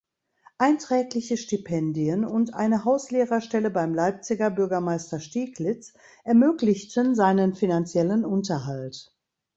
Einträgliche Stipendien und eine Hauslehrerstelle beim Leipziger Bürgermeister Stieglitz ermöglichten seinen finanziellen Unterhalt.